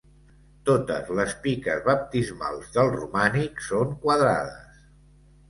Totes les piques baptismals del romànic són quadrades.